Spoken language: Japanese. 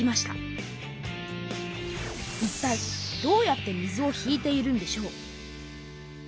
いったいどうやって水を引いているんでしょう。